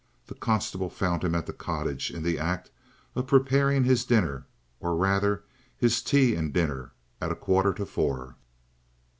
The constable found him at the cottage, in the act of preparing his dinner, or rather his tea and dinner, at a quarter to four.